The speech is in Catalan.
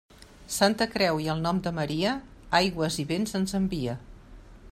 Santa Creu i el nom de Maria, aigües i vents ens envia.